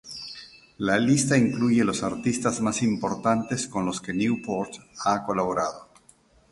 La lista incluye los artistas más importantes con los que Newport ha colaborado.